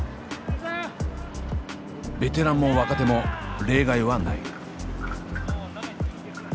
ベテランも若手も例外はない。